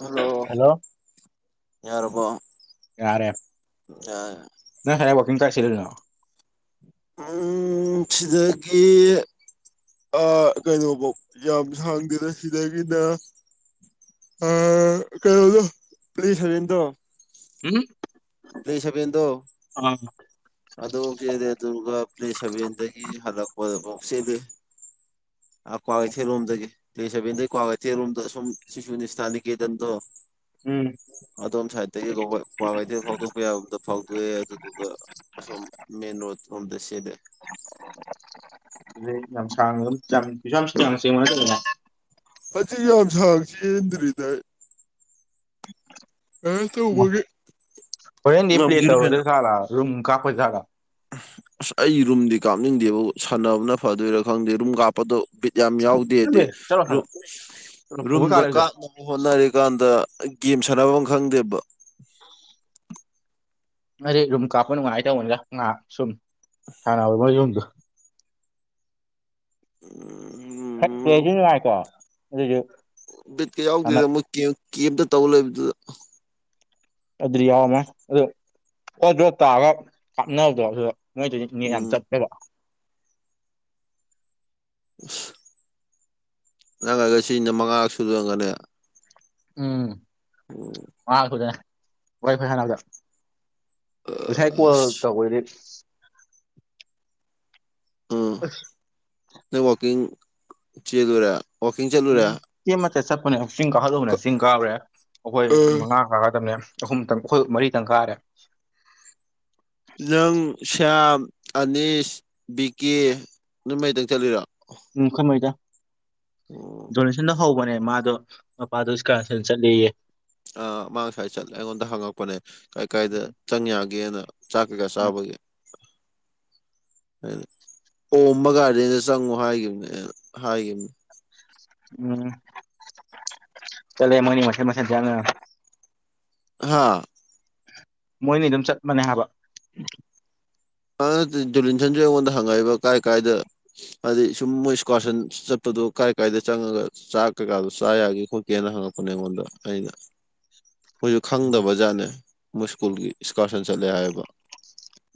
hello hello ꯌꯥꯔꯀꯣ ꯌꯥ ꯅ ꯍꯦꯔ ꯋꯥꯋꯀꯤꯡ ꯀꯥꯏ ꯁꯤ ꯅ ꯁꯤꯗꯗꯒꯤ ꯑ ꯀꯩꯅꯣꯐꯧ ꯌꯥꯝ ꯁꯥꯡꯗꯦꯅ ꯁꯤꯗꯒꯤꯅ ꯑ ꯀꯩꯅꯣꯗ ꯄꯂꯤꯁꯕꯤꯟꯗꯣ ꯎꯝ ꯂꯩꯁꯕꯤꯟꯗ ꯑꯥ ꯑꯗꯨꯐꯥꯎ ꯆꯦꯜꯂꯦ ꯑꯗꯨꯒ ꯄ꯭ꯂꯦ ꯁꯚꯦꯟꯗꯒꯤ ꯍꯜꯂꯛꯄꯗꯐꯥꯎ ꯆꯦꯜꯂꯤ ꯀ꯭ꯋꯥꯀꯩꯊꯦꯜꯔꯣꯝꯗꯒꯤ ꯁꯥꯕꯦꯟꯗꯒꯤ ꯀ꯭ꯋꯥ ꯀꯩꯊꯦꯜꯔꯣꯝꯗ ꯁꯨꯝ ꯁꯤꯁꯨ ꯅꯤꯁꯊꯅꯤ ꯀꯦꯗꯟꯗꯣ ꯎꯝ ꯑꯗꯣꯝ ꯁꯥꯏꯗꯠꯇꯒꯤ ꯋꯥꯩꯗꯒꯤ ꯐꯥꯎꯗꯣꯛꯄ ꯌꯥꯕꯗ ꯐꯥꯎꯗꯣꯛꯑꯦ ꯑꯗꯨꯗꯨꯒ ꯃꯥꯝ ꯃꯟ ꯔꯣꯝꯗꯁꯦꯗ ꯝ ꯁꯤ ꯊꯅꯁꯦ [unintelligible] ꯆ ꯌꯥꯝ ꯌꯥꯝ ꯁꯥꯒꯁꯤꯗꯤꯔꯤ ꯇꯥꯏ ꯇꯧꯕꯒꯤ ꯍꯣꯔꯦꯟꯗꯤ ꯄ꯭ꯂꯦ ꯇꯧꯔꯗ ꯉꯝꯈꯤꯔꯣꯏꯅ ꯁꯥꯂꯨꯝ ꯀꯥꯄꯖꯒꯥ ꯑꯁ ꯑꯩ ꯔꯨꯝꯗꯤ ꯀꯥꯞꯅꯤꯡꯗꯦꯕꯕꯨ ꯁꯥꯟꯅꯕꯅ ꯐꯗꯣꯏꯔꯥ ꯈꯪꯗꯦ ꯔꯨꯝ ꯀꯥꯞꯄꯗꯣꯕꯤ ꯌꯥꯝ ꯌꯥꯎꯗꯦ ꯍꯥꯏꯗꯤ ꯆꯠꯂꯨꯍꯦ ꯆꯠꯂꯣ ꯍꯥꯏꯕ ꯆꯠꯂꯣ ꯐꯨꯠꯕꯣꯜ ꯀꯥ ꯔꯨꯝꯗꯣ ꯂꯩꯗꯣ ꯀꯥꯛꯞꯅꯕ ꯍꯣꯠꯅꯔꯤ ꯀꯥꯟꯗ ꯒꯦꯝ ꯁꯥꯟꯅꯕ ꯈꯪꯗꯦꯕ ꯑꯗꯨꯩ ꯔꯨꯝ ꯀꯥꯞꯄ ꯅꯨꯡꯉꯥꯏꯅ ꯇꯧꯕꯅꯤꯒ ꯉꯥꯏꯍꯥꯛ ꯁꯨꯝ ꯁꯥꯟꯅꯅꯕ ꯃꯣꯏ ꯔꯨꯝꯗꯣ ꯎꯝ ꯍꯦꯛ ꯀꯦꯁꯨ ꯅꯨꯡꯉꯥꯏꯀꯣ ꯑꯗꯨꯁꯨꯅ ꯀꯤꯕꯇ ꯇꯧꯂ ꯏꯕꯗꯨꯗ ꯑꯗꯨꯗꯤ ꯌꯥꯎꯔꯝꯃꯦ ꯑꯗꯨ ꯑꯣꯣ ꯭ꯔꯣꯞ ꯇꯥꯛꯑꯒ ꯀꯥꯞꯅꯕꯗꯣ ꯑꯗꯨꯗ ꯃꯣꯏ ꯑꯗꯨꯗꯤ ꯃꯤ ꯌꯥꯝ ꯎꯝ ꯆꯠꯇꯦꯕ [unintelligible] ꯅꯪ ꯍꯥꯏꯒ ꯁꯤꯅ ꯃꯉꯥꯔ ꯁꯨꯗꯒꯅꯦ ꯎꯝ ꯃꯉꯥꯔꯛ ꯁꯨꯗꯣꯏꯅꯦ ꯋꯥ ꯐꯩꯁꯥꯗ ꯑꯗꯨꯁꯥꯏ ꯀꯣ ꯑꯁ ꯀꯗꯤ ꯑꯁ ꯅ ꯋꯥꯀꯤꯡ ꯆꯂꯨꯔꯦ ꯋꯥꯀꯤꯡ ꯆꯂꯨꯔꯦ ꯁꯤ ꯆꯠꯄꯅꯦ ꯆꯤꯡ ꯀꯥꯍꯜꯂꯨꯕꯅꯦ ꯆꯤꯡ ꯀꯥꯈꯨꯔꯦ ꯑꯩꯈꯣꯏ ꯃꯉꯥ ꯀꯥꯒꯗꯕꯅꯦ ꯑꯍꯨꯝ ꯇꯪꯈꯣꯏ ꯃꯔꯤ ꯇꯪꯈꯥꯔꯦ ꯅꯪ ꯁ꯭ꯌꯥꯝ ꯑꯅꯤꯁ ꯕꯤꯀꯦ ꯅꯣꯏꯃꯥꯏꯗꯪ ꯆꯠꯂꯤꯔꯣ ꯎꯝ ꯀꯩꯍꯩꯗ ꯑꯣ ꯗꯣꯂꯁꯟꯗ ꯍꯧꯕꯅꯦꯕ ꯃꯥꯗꯣ ꯄꯄꯥꯗ ꯏꯁꯀ ꯁꯦꯟꯁ ꯂꯩꯦ ꯃꯥ ꯉꯁꯥꯏ ꯆꯠꯂꯦ ꯑꯩꯉꯣꯟꯗ ꯍꯪꯉꯛꯄꯅꯦ ꯀꯥꯏ ꯀꯥꯏꯗ ꯆꯪ ꯌꯥꯒꯦꯅ ꯆꯥꯛ ꯀꯒ ꯆꯕꯒꯤ ꯑꯣꯝꯕ ꯒꯥꯔꯗꯦꯟꯗ ꯆꯪꯉꯨ ꯍꯥꯏꯈꯤꯕꯅꯦ ꯍꯥꯏꯒꯤꯈꯤꯕꯅꯤ ꯎꯝ ꯆꯂꯦ ꯃꯅꯤ ꯃꯁ ꯃꯁꯉ ꯍꯥꯥ ꯃꯣꯏꯅꯤ ꯑꯗꯨꯝ ꯆꯠ ꯃꯅꯦ ꯍꯥꯏꯕ ꯖꯨꯂꯤꯟꯁꯟꯁꯨ ꯑꯩꯉꯣꯟꯗ ꯍꯪꯉꯛꯏꯕ ꯀꯥꯏ ꯀꯥꯏꯗ ꯍꯥꯏꯗꯤ ꯁꯨꯝ ꯃꯣꯏ ꯏꯁꯀ꯭ꯋꯥꯁꯟ ꯆꯠꯄꯗꯣ ꯀꯥꯏ ꯀꯥꯏꯗ ꯆꯪꯉꯒ ꯆꯥꯛ ꯀꯩꯀꯥꯗꯣ ꯆꯥ ꯌꯥꯒꯦ ꯈꯣꯠꯀꯦꯅ ꯍꯉ ꯄꯨꯟꯅ ꯃꯗ ꯑꯗ ꯃꯣꯏꯁꯨ ꯈꯪꯗꯕꯖꯥꯠꯅꯦ ꯃꯣꯏ ꯁ꯭ꯀꯨꯜꯒꯤ ꯏꯁꯀꯥꯔꯁꯟ ꯆꯠꯂꯦ ꯍꯥꯏꯕ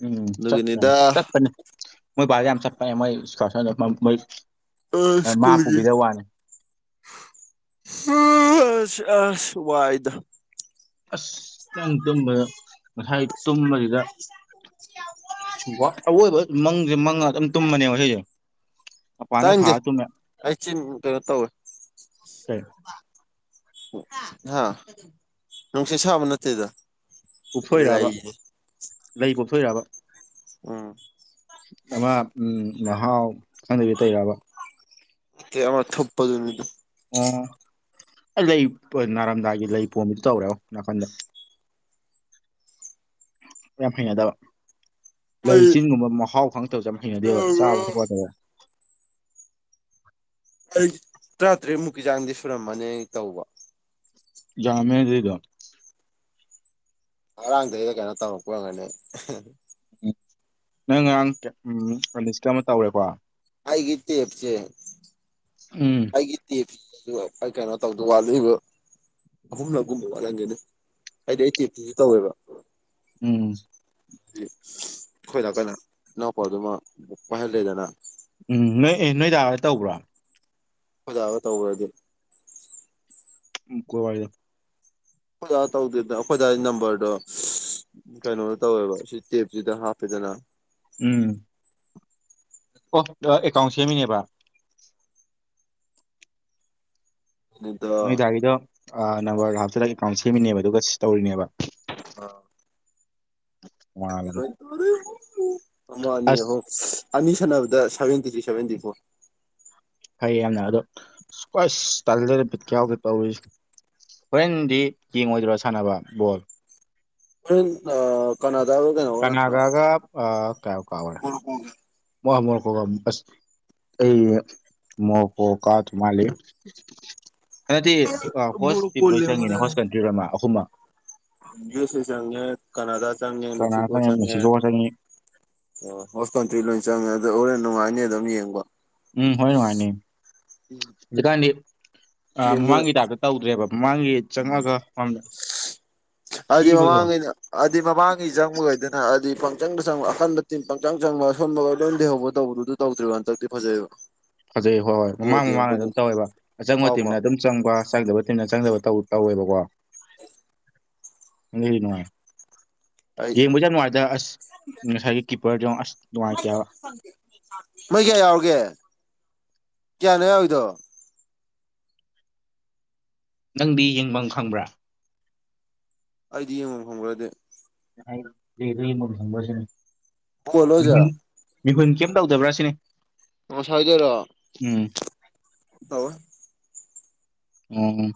ꯎꯝ ꯆꯠ ꯆꯄꯅꯦ ꯃꯣꯏꯖ ꯁꯄꯅꯦ ꯃꯣꯏ ꯈꯔꯣꯏ ꯑ ꯁꯀꯨꯜꯒꯤ ꯑꯁ ꯋꯥꯏꯗ ꯑꯁꯇꯪ ꯇꯨꯝꯕꯗ ꯉꯁꯥꯏ ꯇꯨꯝꯕꯁꯤꯗ ꯑꯋꯣꯏꯕ ꯃꯪꯁꯦ ꯃꯪꯉ ꯑꯗꯨꯝ ꯇꯨꯝꯃꯅꯦꯕ ꯁꯤꯁꯦ ꯇꯖꯦ ꯑꯩꯁꯤ ꯇꯧꯕ ꯀꯩ ꯍꯥ ꯅꯨꯡꯁꯤ ꯁꯕ ꯅꯠꯇꯦꯗ ꯄꯞꯊꯣꯏꯔꯕ ꯂꯩꯅꯤ ꯂꯩ ꯄꯞꯊꯣꯏꯕ ꯎꯝ ꯑꯃ ꯎꯝ ꯃꯍꯥꯎ ꯈꯪꯗꯕꯤ ꯇꯩꯔꯕ ꯑꯃ ꯊꯣꯄꯖꯃꯤꯗ ꯑꯣ ꯑꯩ ꯂꯩ ꯅꯥꯔꯝꯗꯥꯏꯒꯤ ꯂꯩ ꯄꯣꯝꯝꯕ ꯇꯧꯔꯦ ꯅꯥꯀꯟꯗ [inaudible] ꯀ ꯐ ꯌꯥꯗꯕ ꯑꯩ ꯂꯩꯆꯤꯟꯒꯨꯝꯕ ꯃꯍꯥꯎ ꯈꯪꯗꯕ ꯆ ꯌꯥꯝ ꯍꯩꯅꯗꯦꯕ ꯆꯥꯕ ꯈꯛꯄꯗꯕ ꯑꯩ ꯇꯔꯥꯇꯔꯦꯠ ꯃꯨꯛꯀꯤ ꯆꯥꯡꯗꯤ ꯁꯨꯔꯝꯃꯅꯤ ꯇꯧꯕ ꯌꯥꯝ ꯂꯩꯗ ꯉꯔꯥꯡꯗꯩꯗ ꯀꯩꯅꯣ ꯇꯧꯔꯛꯄꯒꯅꯤ ꯎꯝ ꯅꯪ ꯉꯔꯥꯡ ꯎ ꯂꯤꯁ ꯑꯃ ꯇꯧꯔꯦꯀꯣ ꯑꯩꯒꯤ ꯇꯦꯞꯁꯦ ꯎꯝ ꯑꯩꯒꯤ ꯇꯞꯁꯦ ꯑꯗꯨ ꯑꯩ ꯀꯩꯅꯣ ꯇꯧꯗ ꯋꯥꯠꯂꯤꯕ ꯑꯍꯨꯝꯅꯒꯨꯝꯕ ꯋꯥꯠꯍꯟꯒꯅꯤ ꯍꯥꯏꯗꯤ ꯑꯩ ꯇꯦꯞꯇꯤꯁꯨ ꯇꯧꯋꯦꯕ ꯎꯝ ꯑꯩꯈꯣꯏꯗ ꯀꯣꯏꯅ ꯏꯅꯥꯎꯄꯥꯗꯨꯃ ꯑꯣꯏꯥꯏꯍꯜꯂꯦꯗꯅ ꯎꯝ ꯅꯣꯏ ꯑꯦ ꯅꯣꯏ ꯇꯗꯥ ꯇꯧꯕ꯭ꯔꯣ ꯑꯣꯖꯥꯕ ꯇꯧꯕ꯭ꯔꯗꯤ ꯀꯣꯏ ꯋꯥꯔꯤꯗ ꯑꯩꯈꯣꯏꯖꯥ ꯇꯧꯗꯦꯗꯅ ꯑꯩꯈꯣꯏꯖꯥꯒꯤ ꯅꯝꯕꯔꯗꯣ ꯀꯩꯅꯣ ꯇꯧꯋꯦꯕ ꯁꯤ ꯇꯦꯞꯁꯤꯗ ꯍꯥꯞꯄꯦꯗꯅ ꯎꯝ ꯑꯣ ꯑꯦꯀꯥꯎꯟ ꯁꯦꯝꯃꯤꯅꯦꯕ ꯑꯗꯨꯗ ꯅꯣꯏꯗꯥꯒꯤꯗꯣ ꯅꯝꯕꯔ ꯍꯥꯞꯇꯗ ꯑꯦꯀꯥꯎꯟ ꯁꯦꯝꯃꯤꯅꯦꯕ ꯑꯗꯨꯒ ꯁꯤ ꯇꯧꯔꯤꯅꯦꯕ ꯇꯣꯉꯥꯜꯂꯕ ꯃꯥꯅꯤ ꯑꯁ ꯍ ꯑꯅꯤ ꯁꯥꯟꯅꯕꯗ ꯁꯚꯦꯟꯇꯤ ꯊ꯭ꯔꯤ ꯁꯚꯦꯟꯇꯤ ꯐꯣꯔ ꯐꯩ ꯌꯥꯝꯅ ꯑꯗꯣ ꯁꯀꯋꯥ ꯇꯜꯂꯦꯗ ꯄꯤꯠ ꯌꯥꯎꯗ ꯇꯧꯔꯤꯁꯦ ꯍꯣꯔꯦꯟꯗꯤ ꯌꯦꯡꯉꯣꯏꯗ꯭ꯔꯣ ꯁꯥꯟꯅꯕ ꯕꯣꯜ ꯀꯅꯥ ꯀꯅꯥꯒꯥꯒ ꯀꯌꯥ ꯀꯥꯎꯔꯦ ꯃꯣꯏ ꯁ ꯑꯩ ꯃꯀꯥ ꯊ ꯃꯥꯜꯂꯤꯦ ꯍꯗꯤ ꯍꯣꯁ ꯃꯣꯔꯣꯀꯣ ꯇꯔꯤꯞ ꯂꯣꯏ ꯆꯪꯉꯤꯅꯦ ꯍꯣꯁ ꯀꯟꯇ꯭ꯔꯤ ꯑꯃ ꯑꯍꯨꯝ ꯑꯃ ꯁ ꯆꯪꯦ ꯀꯅꯥꯗꯥ ꯆꯪꯉꯦ ꯀꯅꯥ ꯃꯦꯛꯁꯤꯀꯣ ꯆꯪꯉꯤ ꯆꯪꯉꯦ ꯃꯦꯛꯁꯤꯀꯣ ꯆꯪꯉꯤ ꯍꯣꯁ ꯀꯟꯇ꯭ꯔꯤ ꯂꯣꯏꯅ ꯆꯪꯉꯦ ꯑꯗꯨ ꯍꯣꯔꯦꯟ ꯅꯨꯡꯉꯥꯏꯅꯤ ꯑꯗꯨꯝ ꯌꯦꯡꯕ ꯎꯝ ꯍꯣꯏ ꯅꯨꯡꯉꯥꯏꯅꯤ ꯍꯧꯖꯤꯛꯀꯥꯟꯗꯤ ꯑ ꯌꯦꯡꯗꯣꯏꯅꯦ ꯃꯃꯥꯡꯒꯤ ꯇꯥꯏꯞꯇ ꯇꯧꯗ꯭ꯔꯦꯕ ꯃꯃꯥꯡꯒꯤ ꯆꯪꯉꯒ ꯃꯝꯗ ꯍꯥꯏꯗꯤ ꯊꯤꯕꯗꯣ ꯃꯃꯥꯡꯉꯩꯅ ꯍꯥꯏꯗꯤ ꯃꯃꯥꯡꯉꯩ ꯆꯪꯕꯈꯩꯗꯅ ꯑꯗꯨꯗꯤ ꯄꯪꯆꯪꯗ ꯆꯪꯕ ꯑꯀꯟꯕ ꯇꯤꯟ ꯄꯪꯆꯪ ꯆꯪꯕꯒ ꯁꯣꯟꯝꯕꯒ ꯂꯣꯏ ꯂꯩꯍꯧꯕ ꯇꯧꯕꯗꯨꯗ ꯇꯧꯗ꯭ꯔꯤꯕꯣ ꯍꯟꯗꯛꯇꯤ ꯐꯖꯩꯌꯦꯕ ꯐꯖꯩ ꯍꯣꯏ ꯍꯣꯏ ꯃꯃꯥꯡ ꯃꯃꯥꯡꯗ ꯑꯗꯨꯝ ꯇꯧꯋꯦꯕ ꯑꯆꯪꯕ ꯍꯥꯎꯃ ꯇꯤꯝꯅ ꯑꯗꯨꯝ ꯆꯪꯕ ꯆꯪꯗꯕ ꯇꯤꯝꯅ ꯆꯪꯗꯕ ꯇꯧꯋꯦꯕꯀꯣ ꯅꯨꯡꯉꯥꯏ ꯑꯩ ꯌꯦꯡꯕꯁꯨꯦ ꯌꯥꯝ ꯅꯨꯡꯉꯥꯏꯇ ꯑꯁ ꯉꯁꯥꯏꯒꯤ ꯀꯤꯞꯄꯔꯗꯣ ꯑꯁ ꯅꯨꯡꯉꯥꯏꯇꯦꯕ ꯃꯣꯏ ꯀꯌꯥ ꯌꯥꯎꯔꯤꯒꯦ ꯀꯌꯥꯅꯣ ꯌꯥꯎꯔꯤꯗꯣ ꯅꯪꯗꯤ ꯌꯦꯡꯐꯝ ꯈꯪꯕ꯭ꯔꯥ ꯑꯩꯗꯤ ꯌꯦ ꯃ ꯐꯪꯕꯗꯤ ꯑꯩ ꯂꯩꯈ ꯏꯃ ꯊꯪꯕꯁꯤꯅ ꯍꯣꯂꯣꯖ ꯃꯤꯍꯨꯟ ꯀꯩꯝ ꯇꯧꯗꯕ꯭ꯔꯥ ꯁꯤꯅꯤ ꯑꯣ ꯁꯖꯔ ꯎꯝ ꯑꯣꯝ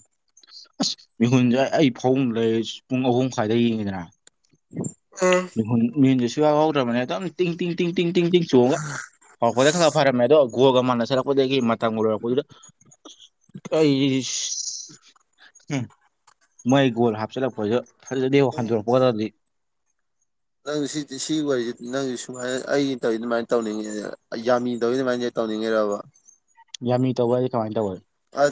ꯑꯁ ꯃꯤꯍꯨꯟꯁꯦ ꯑꯩ ꯐꯥꯎ ꯂꯩ ꯄꯨꯡ ꯑꯍꯨꯝ ꯁ꯭ꯋꯥꯏꯗ ꯌꯦꯡꯉꯤꯗꯅ ꯃꯤꯟꯁ ꯁꯨ ꯌꯥꯎꯧꯗ꯭ꯔꯕꯅꯦ ꯑꯗꯨꯝ ꯇꯤꯡ ꯇꯤꯡ ꯇꯤꯡ ꯇꯤꯡ ꯇꯤꯡ ꯇꯤꯡ ꯆꯣꯡꯉꯒ ꯍꯧꯔꯛꯄꯗ ꯈꯔ ꯐꯔꯝꯃꯦ ꯑꯗꯣ ꯒꯣꯒ ꯃꯥꯟꯅ ꯁꯂꯛꯄꯗꯒꯤ ꯇꯥꯡ ꯋꯥꯄꯗꯨꯗ ꯑꯩ ꯎ ꯃꯣꯏ ꯒꯣꯜ ꯍꯥꯞꯆꯤꯜꯂꯛꯄꯁꯨ ꯐꯖꯗꯤ ꯍꯟꯗꯣꯔꯛꯄ ꯇꯔꯗꯤ ꯅꯪ ꯁꯤꯒꯤ ꯋꯥꯔꯤꯁꯤ ꯅꯪꯁꯨ ꯁꯨꯃꯥꯏꯅ ꯑꯩ ꯇꯧꯔꯤ ꯑꯗꯨꯃꯥꯏꯅ ꯇꯧꯅꯤꯡꯉꯤ ꯌꯥꯝꯃꯤ ꯇꯧꯔꯤ ꯑꯗꯨꯃꯥꯏꯅ ꯇꯧꯅꯤꯡꯉꯔꯕ ꯌꯥꯝꯃꯤ ꯇꯧꯕꯗꯤ ꯀꯃꯥꯏꯅ ꯇꯧ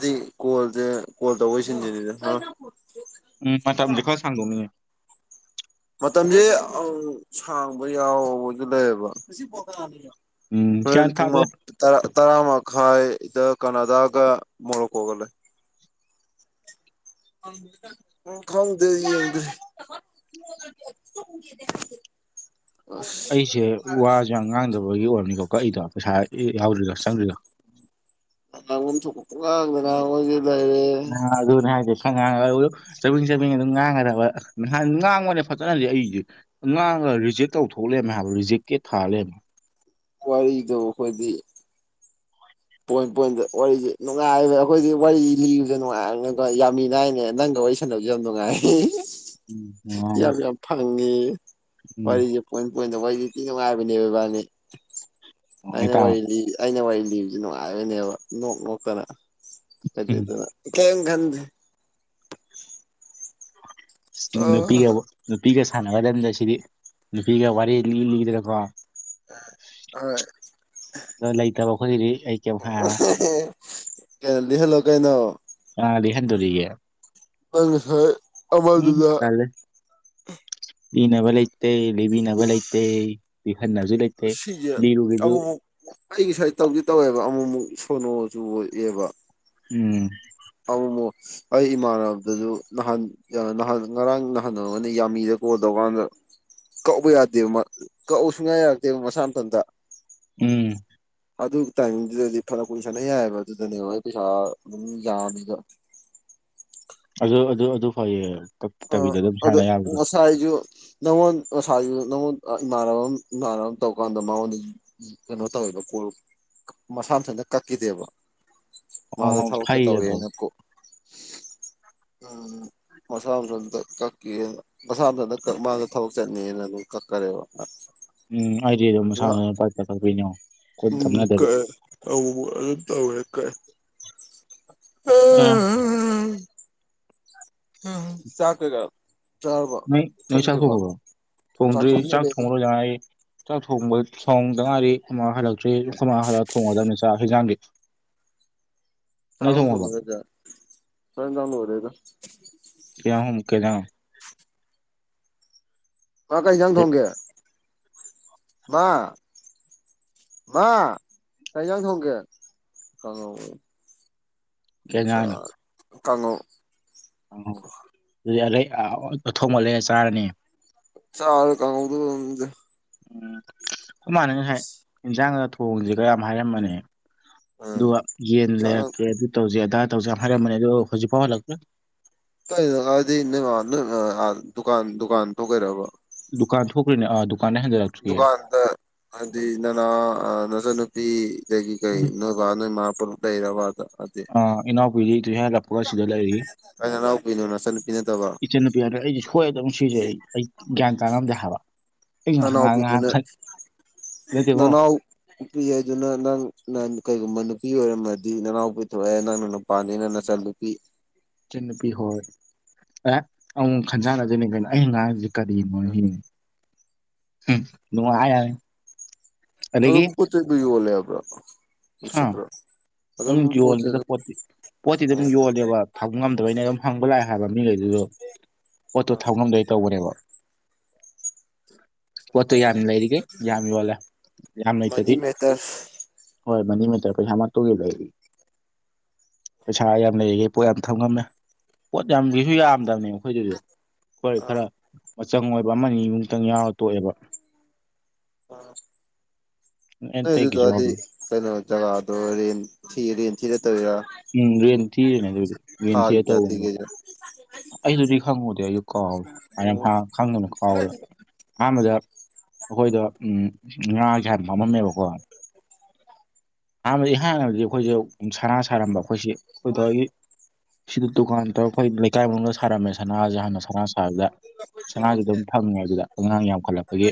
ꯗꯤ ꯀꯣꯜꯁꯦ ꯀꯣꯜ ꯇꯧꯕꯩ ꯁꯤꯟꯁꯤꯗ ꯎꯝ ꯃꯇꯝꯁꯦ ꯈꯔ ꯁꯥꯡꯗꯣꯛꯅꯤꯡꯉ ꯃꯇꯝꯁꯦ ꯁꯥꯡꯕ ꯌꯥꯎꯕꯁꯨ ꯂꯩꯌꯦꯕ ꯎꯝ ꯍꯣꯔꯦꯟ ꯒ꯭ꯌꯥꯟ ꯄꯨꯡ ꯇꯥꯗꯦ ꯇꯔꯥ ꯃꯈꯥꯏꯗ ꯀꯅꯥꯗꯒ ꯃꯣꯣꯔꯛ ꯍꯒꯂ ꯈꯗ ꯗ ꯑꯩꯁꯦ ꯋꯥꯁꯦ ꯌꯥꯝ ꯉꯥꯡꯗꯕꯒꯤ ꯑꯣꯏꯔꯅꯤꯀꯣ ꯀꯣ ꯑꯩꯗꯣ ꯄꯩꯁꯥ ꯑꯦ ꯌꯥꯎ꯭ꯔꯤꯒ ꯆꯪ꯭ꯔꯤꯒ ꯁꯨꯄꯗ ꯑ ꯑꯗꯨꯅꯦ ꯍꯥꯏꯦꯁ ꯉꯥꯡꯉ ꯆꯥꯃꯤꯟ ꯆꯥꯃꯤꯡ ꯑꯗꯨꯝ ꯉꯥꯡꯒꯗꯕ ꯅꯍꯥꯟ ꯉꯥꯡꯕꯅꯦ ꯐꯖꯅꯗꯤ ꯑꯩꯁꯦ ꯔꯤꯖꯦꯛ ꯇꯧꯊꯣꯛꯂꯦ ꯍꯥꯏꯕ ꯔꯤꯖꯦꯛꯀꯦ ꯊꯥꯜꯂꯦꯕ ꯋꯥꯔꯤꯗ ꯑꯩꯈꯣꯏꯗꯤ ꯄꯣꯏꯟ ꯄꯣꯏꯟꯗ ꯋꯥꯔꯤꯁꯤ ꯅꯨꯡꯉꯥꯏꯕ ꯑꯩꯈꯣꯏꯗꯤ ꯋꯥꯔꯤ ꯂꯤꯕꯁ ꯅꯨꯡꯉꯥꯏ ꯌꯥꯝꯃꯤꯅꯅꯦ ꯅꯪ ꯁꯥꯟꯗꯅꯕ ꯀꯝꯅꯨꯡꯉꯥꯏ ꯎꯝ ꯅꯨꯡꯉꯥꯏ ꯌꯥꯝ ꯌꯥꯝ ꯐꯥꯡꯉꯦ ꯎꯝ ꯋꯥꯔꯤ ꯋꯥꯔꯤꯦ ꯄ ꯀꯣꯏ ꯇꯧꯕꯩꯗꯤꯇꯤ ꯅꯨꯡꯉꯥꯏꯕꯅꯦꯕ ꯏꯕꯥꯅꯤ [unintelligible] ꯑꯩꯅ ꯇꯥꯕ ꯋꯥꯔꯤ ꯂꯤ ꯑꯩꯅ ꯋꯥꯔꯤ ꯂꯤꯕꯁꯤ ꯅꯨꯡꯉꯥꯏꯕꯣꯏꯅꯦꯕ ꯅꯣꯛ ꯅꯣꯛꯇꯅ ꯀ ꯑꯗꯨ ꯎꯝ ꯀꯝ ꯈꯟꯗꯦ ꯑꯣ ꯅꯨꯄꯤꯒ ꯅꯨꯄꯤꯒ ꯁꯥꯟꯅꯕꯗꯗ ꯁꯤꯗꯤ ꯅꯨꯄꯤꯒ ꯋꯥꯔꯤ ꯂꯤ ꯂꯤꯗꯅꯀꯣ ꯍꯣꯏ ꯑꯣ ꯂꯩꯇꯕ ꯈꯣꯗꯤꯗꯤ ꯑꯩ ꯀꯩꯝ ꯍꯥꯏ꯭ꯔꯥ ꯀꯗꯤꯍꯦꯜꯂ ꯀꯥꯏꯅ ꯍꯦꯟꯗꯣꯔꯤꯦ ꯃꯥꯉ ꯁꯔ ꯑꯃꯔ ꯑꯗꯨꯗ ꯅꯕꯂꯩꯇꯩ ꯂꯩꯕꯤ ꯅꯕꯂꯩꯇꯩ ꯁꯤꯒꯤ ꯑꯃꯕꯨꯕꯨ ꯑꯩꯒꯤ ꯁ꯭ꯋꯥꯗ ꯇꯧꯗꯤ ꯇꯧꯋꯦꯕ ꯑꯃꯨꯛ ꯑꯃꯨꯛ ꯁꯣꯅꯣꯁꯨ ꯑꯣꯏꯑꯦꯕ ꯎꯝ ꯑꯃ ꯑꯃꯨ ꯑꯩ ꯏꯃꯥꯟꯅꯕꯗꯁꯨ ꯅꯍꯥꯟ ꯅꯍꯥꯟ ꯉꯔꯥꯡ ꯅꯍꯥꯟꯅ ꯌꯥꯝꯃꯤꯗ ꯣ ꯇꯧꯀꯥꯟꯗ ꯀꯛꯎ ꯌꯥꯗꯦꯕ ꯀꯛꯎ ꯁꯨꯡꯌꯥ ꯌꯥꯔꯛꯇꯦꯕ ꯃꯁꯥ ꯃꯊꯟꯇ ꯎꯝ ꯑꯗꯨ ꯇꯥꯏꯃꯤꯡꯗꯨꯗꯗꯤ ꯐꯔ ꯀꯨꯏꯁꯅ ꯌꯥꯏꯑꯕ ꯑꯗꯨꯗꯅꯦꯕ ꯍꯣꯏ ꯄꯩꯁꯥ ꯑꯗꯨꯝ ꯌꯥꯅꯤꯗ ꯑꯗꯨ ꯑꯗꯨ ꯑꯗꯨ ꯐꯩꯌꯦ ꯑ ꯀꯛꯇꯕꯤꯗ ꯑꯗꯨꯝ ꯑꯗ ꯁꯥꯟꯅ ꯌꯥꯕꯗꯣ ꯃꯁꯥꯏꯖꯨ ꯅꯪꯉꯣꯟ ꯉꯁ ꯅꯉꯣꯟ ꯏꯃꯥꯟ ꯏꯃꯥꯟꯅꯕ ꯑꯃ ꯇꯧꯔꯀꯥꯟꯗ ꯃꯉꯣꯟꯗ ꯀꯩꯅꯣ ꯇꯧꯋꯦꯕꯣ ꯃꯁꯥ ꯃꯊꯟꯅ ꯀꯛꯈꯤꯗꯦꯕ ꯋꯥꯗ ꯑꯣ ꯊꯥꯎꯥꯎꯛꯇ ꯐꯩ ꯑꯗꯣ ꯇꯧꯒꯅꯀꯣ ꯎꯝ ꯃꯁꯥꯗ ꯀꯀꯤ ꯃꯁꯥꯝꯗꯗ ꯃꯥꯗ ꯊꯕꯛ ꯆꯠꯅꯦꯅ ꯑꯗꯨꯝ ꯀꯛꯈꯔꯦꯕ ꯎꯝ ꯑꯩꯗꯤ ꯑꯗꯨ ꯁꯥꯟꯅꯇꯩꯅꯣ ꯎꯝ ꯀꯥꯏ ꯊ ꯇꯧꯦ ꯀꯥꯏ ꯑ ꯎꯝ ꯎꯝ ꯆꯀꯒ ꯅ ꯅꯪ ꯆꯥꯛ ꯊꯣꯡꯈ꯭ꯔꯣ ꯊꯣꯡꯗ꯭ꯔꯤ ꯊꯣꯡ ꯆꯥꯛ ꯂꯣꯏꯔꯦꯗ ꯊꯣꯡꯈ꯭ꯔꯣ ꯌꯥ ꯆꯥꯛ ꯊꯣꯡꯕ ꯆꯣꯡꯗ ꯉꯥꯏꯔꯤꯦ ꯑꯃ ꯍꯜꯂꯛꯇ꯭ꯔꯦ ꯀ ꯍꯜꯂ ꯊꯣꯡꯉꯗꯕꯅꯤ ꯆ ꯍꯖꯥꯡꯒꯦ ꯁꯥꯎꯟ ꯊ ꯁꯌꯦꯟ ꯇꯗꯦꯗ ꯀꯅꯥ ꯄ ꯀ ꯌꯥꯡ ꯊꯣꯡꯒꯦ ꯃꯥ ꯀ ꯊꯒꯦ ꯀꯩ ꯍꯦꯟꯖꯥꯡꯅꯣ ꯀꯩ ꯑꯆꯥ ꯀꯥꯉꯨ ꯑ ꯑꯗꯨꯗꯤ ꯑ ꯊꯣꯡꯕ ꯂꯩ ꯆꯥꯔꯅꯤ ꯆ ꯀꯥꯎꯗ ꯎꯝ ꯈꯨ ꯃꯥꯥꯟꯅ ꯉꯁꯥꯏ ꯏꯟꯖꯥꯡꯗ ꯊꯣꯡꯁꯤꯒ ꯌꯥꯝ ꯍꯥꯏꯔꯃꯅꯤ ꯎꯝ ꯑꯗꯨꯒ ꯌꯦꯟ ꯆꯥꯛꯅ ꯂꯩꯔꯛꯀꯦ ꯑꯗꯨ ꯇꯧꯁꯦ ꯑꯗꯥ ꯇꯧꯖ ꯍꯥꯏꯔꯝꯝꯕꯅꯦ ꯑꯗꯨꯣ ꯍꯧꯖꯤꯛꯐꯥꯎ ꯍꯜꯂ꯭ꯔ ꯀꯗꯤ ꯅ ꯅ ꯗꯨꯀꯥꯟ ꯗꯨꯀꯥꯟ ꯊꯣꯛꯀꯥꯏꯔꯕ ꯗꯨꯀꯥꯟ ꯊꯣꯛꯈ꯭ꯔꯦꯅꯦ ꯑꯥ ꯗꯨꯀꯥꯟꯗꯩ ꯍꯟꯖꯜꯂꯛꯇ꯭ꯔꯤꯌꯦ ꯗꯨꯀꯥꯟꯗ ꯍꯥꯏꯗꯤ ꯅꯅꯥ ꯅꯆꯟꯅꯨꯄꯤ ꯂꯩꯒꯤ ꯀꯩ ꯅꯣꯏ ꯋꯥ ꯅꯣꯏ ꯃꯥꯄꯔ ꯎꯇꯔ ꯋꯥꯗ ꯑ ꯏꯅꯥꯎꯄꯤꯔꯤ ꯑꯗꯨꯨ ꯍꯥꯏꯒꯄꯒꯁꯤꯗ ꯂꯩꯔꯤ ꯀꯥꯏ ꯅꯅꯥꯎꯄꯤꯅꯣ ꯅꯆꯟꯅꯨꯄꯤ ꯅꯠꯇꯕ ꯏꯆꯟꯅꯨꯄꯤꯅ ꯑꯩꯁꯦ ꯁꯣꯏꯗ ꯅꯨꯡꯁꯤꯁꯦ ꯑꯩ ꯑꯩ ꯒ꯭ꯌꯥꯟ ꯇꯥꯉꯝꯗꯦ ꯍꯥꯏꯕ ꯑꯩ ꯉꯍꯥꯛ ꯉꯍꯥꯛ ꯉꯍꯥꯛ ꯅꯅꯥꯎꯄꯤꯗꯨꯅ ꯈꯟ ꯅꯠꯇꯦꯕꯣ ꯅꯅꯥꯎꯄꯤ ꯍꯥꯏꯗꯨꯅ ꯅꯪ ꯅꯪ ꯀꯩꯒꯨꯝꯕ ꯅꯨꯄꯤ ꯑꯣꯏꯔꯝꯃꯗꯤ ꯅꯅꯥꯎꯄꯤꯊꯑꯦ ꯅꯪꯅ ꯅꯨꯄꯥꯅꯤ ꯅ ꯅꯆ ꯅꯨꯄꯤ ꯏꯆꯟꯅ ꯅꯨꯄꯤ ꯍꯣꯏ ꯑꯦ ꯑꯃꯨ ꯈꯟꯖꯥꯟꯅꯗꯣꯏꯅꯦ ꯀꯩꯅꯣ ꯑꯩ ꯑꯉꯥꯡ ꯀꯔꯤ ꯅꯨꯡꯉꯥꯏ ꯌꯥꯅꯤ ꯑꯗꯨꯝ ꯄꯣꯠ ꯆꯩꯗꯨ ꯌꯣꯜꯂꯦ ꯍꯥꯏꯕ꯭ꯔꯥ ꯍꯥ ꯅꯨꯡꯁꯤꯠꯇ꯭ꯔꯣ ꯑꯗꯨꯝ ꯌꯣꯜꯂꯤꯦꯗ ꯄꯣꯠꯇꯤ ꯄꯣꯠꯇꯤ ꯑꯗꯨꯝ ꯌꯣꯜꯂꯦꯕ ꯊꯕ ꯉꯝꯗꯕꯩꯩꯅ ꯑꯗꯨꯝ ꯍꯪꯕ ꯂꯥꯛꯑꯦ ꯍꯥꯏꯕ ꯃꯤꯈꯩꯗꯨ ꯑꯣꯇꯣ ꯊꯥꯎꯃꯒꯩ ꯀꯧꯕꯅꯦꯕ ꯄꯣꯠꯇꯣ ꯌꯥꯝꯃꯤ ꯂꯩꯔꯤꯒꯦ ꯌꯥꯝꯃꯤ ꯋꯥꯂꯦ ꯌꯥꯝ ꯃꯅꯤ ꯂꯩꯇꯗꯤ ꯃꯦꯇꯔ ꯍꯣꯏ ꯃꯅꯤ ꯇꯔꯐꯁꯃ ꯇꯒꯤ ꯂꯩꯔꯤ ꯄꯩꯁꯥ ꯌꯥꯝ ꯂꯩꯔꯤꯈꯩ ꯄꯣꯠ ꯌꯥꯝ ꯊꯝꯉꯝꯃꯦ ꯄꯣꯠ ꯌꯥꯝꯒꯤꯁꯨ ꯌꯥꯝꯗꯕꯅꯦ ꯑꯩꯈꯣꯏꯗꯨꯁꯨ ꯈꯣꯏ ꯈꯔ ꯑꯥ ꯃꯆꯪ ꯑꯣꯏꯕ ꯑꯃꯅꯤ ꯑ ꯑꯃꯨꯛꯇꯪ ꯌꯥꯎꯔ ꯇꯣꯛꯑꯦꯕ ꯅꯗꯨ ꯑꯇꯩꯒꯤꯁꯨ ꯑꯗꯤ ꯌꯥꯎꯗꯦ ꯀꯅ ꯖꯒꯥꯗꯣ ꯔꯔꯤ ꯊ ꯔꯔꯤ ꯊ ꯌꯥ ꯎꯝ ꯔꯦꯟ ꯊꯤꯔꯤꯅꯦ ꯑꯗꯨꯒꯤ ꯔꯦꯟ ꯊꯥ ꯊꯤꯔ ꯆ ꯇꯧꯕꯅꯦꯕ ꯊꯒꯦꯖ ꯑꯩꯗꯨꯗꯤ ꯈꯪꯉꯨꯗꯦ ꯑꯩꯁꯨ ꯑꯣ ꯀꯥꯎꯔꯦꯅ ꯈꯪꯗꯅ ꯀꯥꯎꯔꯦ ꯑꯍꯥꯟꯕꯗ ꯑꯩꯈꯣꯏꯗꯣ ꯎꯝ ꯉꯥꯒꯤ ꯍꯥꯟꯅ ꯐꯝꯃꯝꯃꯦꯕꯀꯣ ꯑꯍꯥꯟꯕꯗꯤꯍꯥꯟꯥꯟꯕꯗꯤ ꯑꯩꯈꯣꯏꯁꯦ ꯁꯅꯥ ꯁꯥꯔꯝꯕ ꯑꯩꯈꯣꯏꯁꯤ ꯑꯩꯈꯣꯏꯒꯤ ꯁꯤꯗ ꯗꯨꯀꯥꯟ ꯇꯧꯔ ꯑꯩꯈꯣꯏ ꯂꯩꯀꯥꯏ ꯃꯅꯨꯡꯗ ꯁꯥꯔꯝꯃꯦ ꯁꯅꯥꯁꯦ ꯍꯥꯟꯅ ꯁꯅꯥ ꯁꯥꯕꯗ ꯁꯉꯥꯏꯁꯨ ꯑꯗꯨꯝ ꯑꯥ ꯐꯪꯉꯦ ꯑꯗꯨꯗ ꯑꯉꯥꯡ ꯌꯥꯝ ꯆꯥꯎꯈꯠꯂꯛꯄꯒꯤ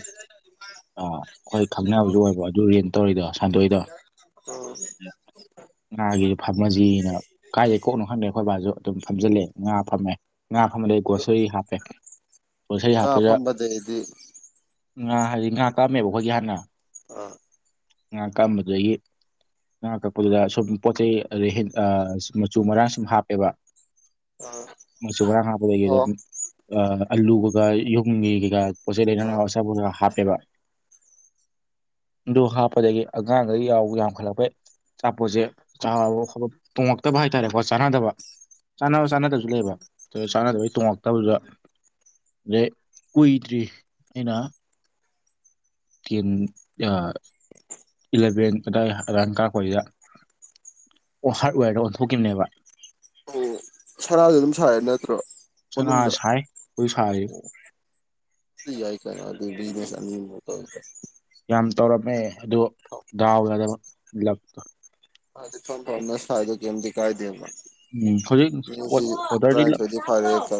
ꯑꯩꯈꯣꯏ ꯈꯪꯅꯕꯁꯨ ꯑꯣꯏꯕꯣ ꯑꯗꯨ ꯔꯦ ꯇꯧꯔꯤꯗꯣ ꯁꯟꯗꯣꯛꯏꯗꯣ ꯑ ꯉꯥꯒꯤꯁꯨ ꯐꯝꯃꯖꯤꯅ ꯀꯥꯏꯗꯦ ꯀꯣꯛꯅꯣ ꯈꯪꯗꯦ ꯑꯩꯈꯣꯏ ꯕꯥꯁꯨ ꯑꯗꯨꯝ ꯐꯝꯖꯤꯜꯂꯦ ꯉꯥ ꯐꯝꯃꯦ ꯉꯥ ꯐ ꯃ ꯁꯔꯤ ꯍꯥꯄꯦ ꯑ ꯐꯝꯕꯇꯩꯗꯤ ꯉꯥ ꯍꯥꯏꯗꯤ ꯉꯥ ꯇꯥꯑꯝꯃꯦꯕ ꯑꯩꯈꯣꯏꯒꯤ ꯍꯥꯟꯅ ꯑꯥ ꯉꯍꯥꯛ ꯀꯔꯝꯕꯗꯒꯤ ꯉꯥ ꯀꯛꯄꯗꯨꯗ ꯁꯨꯝ ꯄꯣꯠ ꯆꯩ ꯑꯗꯩ ꯃꯆꯨ ꯃꯔꯥꯡ ꯁꯨꯝ ꯍꯥꯞꯄꯦꯕ ꯑꯥ ꯃꯁꯨꯥ ꯍꯥ ꯄ ꯂꯩꯦ ꯍꯣ ꯑꯜꯂꯨ ꯀꯒꯥ ꯌꯨꯡ ꯀꯀꯥ ꯄꯁꯤ ꯑꯥ ꯆꯥ ꯄꯨ ꯍꯥꯄ ꯑꯦꯕ ꯅꯨ ꯍꯞ ꯑꯗꯒꯤ ꯑꯉꯥꯡꯗ ꯌꯥꯎꯕ ꯌꯥꯝꯈꯠꯂꯛꯄꯩ ꯑꯆꯥꯄꯣꯠꯁꯦ ꯇꯣꯡꯉꯛꯇꯕ ꯍꯥꯏꯇꯥꯔꯦꯀꯣ ꯆꯥꯟꯅꯗꯕ ꯆꯥꯅꯕ ꯆꯥꯅꯗꯕꯁꯨ ꯂꯩꯕ ꯑꯗꯨ ꯆꯥꯅꯗꯕꯩ ꯇꯣꯡꯉꯛꯇꯕꯁꯨ ꯀꯨꯏꯇ꯭ꯔꯤ ꯑꯅꯥ ꯇꯦꯟ ꯏꯂꯚꯦꯟ ꯑꯗꯥꯏ ꯑꯗꯨꯥꯟ ꯀꯥꯔꯄꯁꯤꯗ ꯑꯣ ꯍꯥꯔꯠꯋꯦꯔꯗ ꯑꯣꯟꯊꯣꯛꯈꯤꯕꯅꯦꯕ ꯑꯣ ꯁꯔꯁꯨ ꯑꯗꯨꯝ ꯁꯥꯔꯦ ꯅꯠꯇ꯭ꯔꯣ ꯃꯅꯨꯡꯗ ꯄꯣꯏ ꯐꯥꯏ ꯁꯤ ꯀꯥꯏꯅꯗꯤ ꯖꯅꯦꯁ ꯌꯥꯝ ꯇꯧꯔꯝꯃꯦ ꯑꯗꯨ ꯗꯥꯎꯒꯗꯕ ꯂꯛꯇꯣ ꯑꯗꯤ ꯐꯣꯟ ꯐꯅ ꯐꯥꯏꯗꯣ ꯀꯗꯤ ꯀꯥꯏꯗ ꯎꯝ ꯍꯧꯖꯤꯛ ꯄꯣꯠ ꯑꯣꯗꯔꯗꯤ ꯇꯁ ꯐꯔ ꯆ